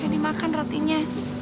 ini makan rotinya